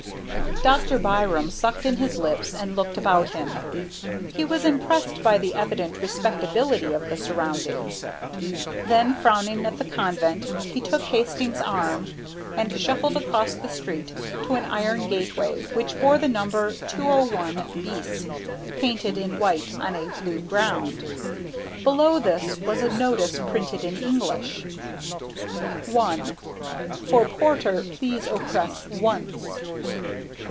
Dr. Byram sucked in his lips and looked about him. He was impressed by the evident respectability of the surroundings. Then frowning at the Convent he took Hastings' arm and shuffled across the street to an iron gateway which bore the number 201 bis painted in white on a blue ground. Below this was a notice printed in English: 1. For Porter please oppress once.